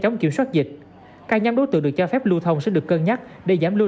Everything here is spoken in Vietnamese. chống kiểm soát dịch các nhóm đối tượng được cho phép lưu thông sẽ được cân nhắc để giảm lưu